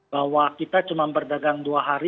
bahwa kita cuma berdagang dua hari